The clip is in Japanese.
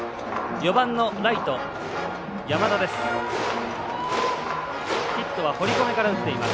４番のライト、山田です。